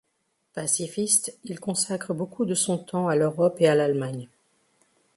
Pacifiste, il consacre beaucoup de son temps à l'Europe et à l'Allemagne.